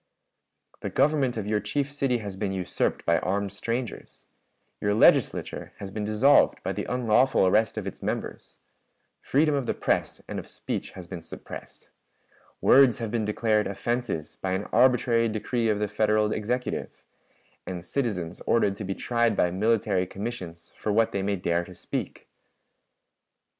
"The government of your chief city has been usurped by armed strangers; your Legislature has been dissolved by the unlawful arrest of its members; freedom of the press and of speech has been suppressed; words have been declared offenses by an arbitrary decree of the Federal Executive; and citizens ordered to be tried by military commissions for what they may dare to speak.